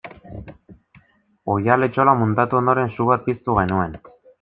Oihal-etxolak muntatu ondoren su bat piztu genuen.